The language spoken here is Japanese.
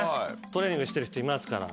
トレーニングしてる人いますから。